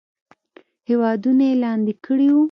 هیوادونه یې لاندې کړي وو.